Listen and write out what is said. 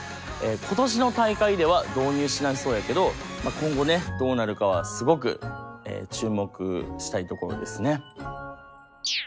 今年の大会では導入しないそうやけど今後ねどうなるかはすごく注目したいところですね。